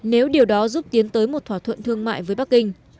nếu điều đó giúp tiến tới một thỏa thuận thương mại với bắc kinh